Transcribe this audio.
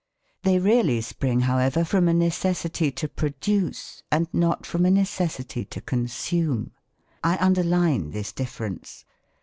They really spring, however, from a necessity to produce, and not from a necessity to consume. I underline this difference.